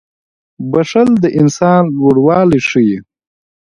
• بښل د انسان لوړوالی ښيي.